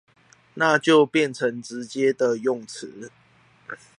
那就變成直接的用詞